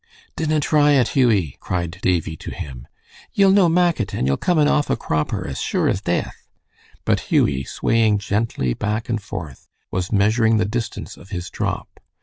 "Dinna try it, Hughie!" cried Davie to him. "Ye'll no mak it, and ye'll come an awfu' cropper, as sure as deith." But Hughie, swaying gently back and forth, was measuring the distance of his drop.